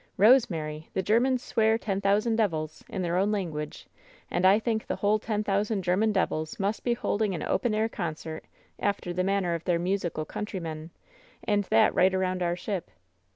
Rosemary! the Germans swear 'Ten thousand devils!' — in their own language — and I think the whole ten thou sand German devils must be holding an open air concert, after the manner of their musical countrymen, and that right around our ship